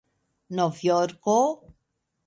novjorko